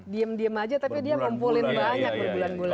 diem diem aja tapi dia ngumpulin banyak berbulan bulan